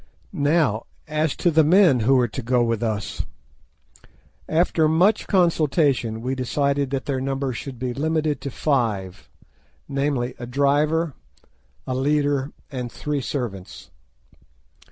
Now as to the men who were to go with us. After much consultation we decided that their number should be limited to five, namely, a driver, a leader, and three servants.